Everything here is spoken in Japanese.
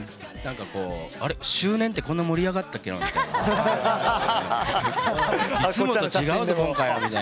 あれ、周年ってこんなに盛り上がったっけなみたいな。